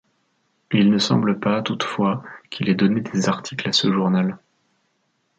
Il ne semble pas, toutefois, qu'il ait donné des articles à ce journal.